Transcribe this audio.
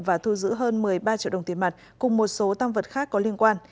và thu giữ hơn một mươi ba triệu đồng tiền mặt cùng một số tam vật khác có liên quan